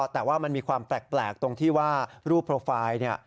แต่ว่ามันมีความแปลกตรงที่ว่ารูปโปรไฟล์